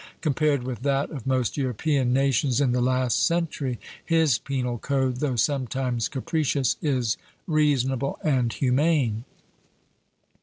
Compared with that of most European nations in the last century his penal code, though sometimes capricious, is reasonable and humane.